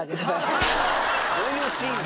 どういうシーンで？